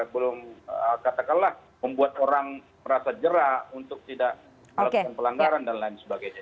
belum katakanlah membuat orang merasa jerah untuk tidak melakukan pelanggaran dan lain sebagainya